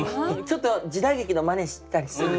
ちょっと時代劇のまねしたりする。